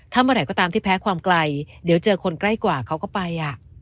เมื่อไหร่ก็ตามที่แพ้ความไกลเดี๋ยวเจอคนใกล้กว่าเขาก็ไป